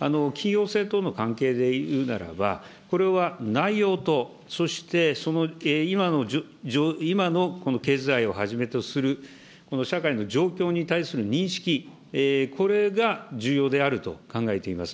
緊要性等の関係で言うならば、これは内容と、そしてその今の経済をはじめとする社会の状況に対する認識、これが重要であると考えています。